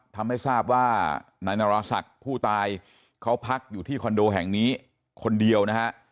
ทำให้ทราบว่านายนาราศักดิ์ผู้ตายเขาพักอยู่ที่คอนโดแห่งนี้คนเดียวนะฮะ